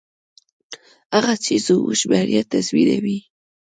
هغه څه چې زموږ بریا تضمینوي.